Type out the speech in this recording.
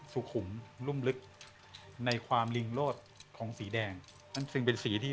สุขุมรุ่มลึกในความลิงโลศของสีแดงนั่นซึ่งเป็นสีที่